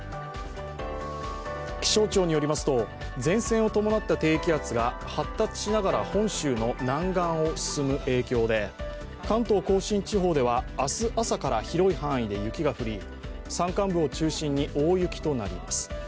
気象庁によりますと、前線を伴った低気圧が発達しながら本州の南岸を進む影響で関東甲信地方では、明日朝から広い範囲で雪が降り山間部を中心に大雪となります。